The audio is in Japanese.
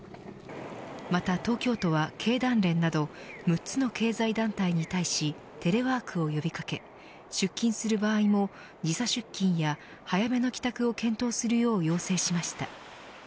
また、東京都は経団連など６つの経済団体に対しテレワークを呼び掛け出勤する場合も時差出勤や早めの帰宅を検討するよう呼びかけ要請しました。